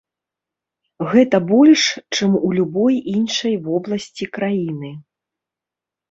Гэта больш, чым у любой іншай вобласці краіны.